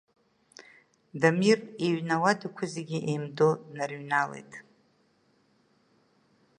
Дамыр иҩны ауадақәа зегьы еимдо днарыҩналеит.